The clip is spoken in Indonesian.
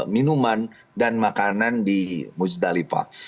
minuman dan makanan di musdalifah